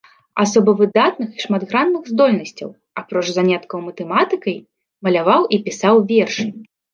Асоба выдатных і шматгранных здольнасцяў, апроч заняткаў матэматыкай, маляваў і пісаў вершы.